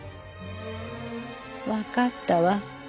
わかったわ。